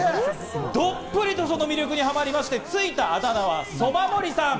どっぷりとその魅力にはまりまして、ついたあだ名は蕎麦森さん。